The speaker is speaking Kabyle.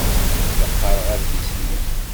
La qqareɣ adlis-nni.